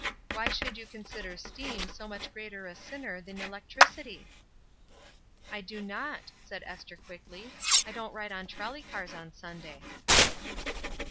Why should you consider steam so much greater a sinner than electricity?" "I do not," said Esther, quickly. "I don't ride on trolley cars on Sunday."